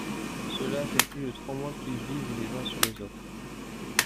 Cela fait plus de trois mois qu’ils vivent les uns sur les autres.